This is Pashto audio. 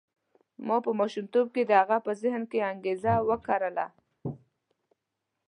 ما په ماشومتوب کې د هغه په ذهن کې انګېزه وکرله.